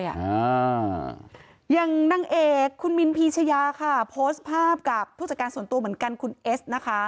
ยังยังนังเอกคุณมินพีชายาโพสฟ์ภาพกับผู้จัดการส่วนตัวเหมือนกันคุณเอส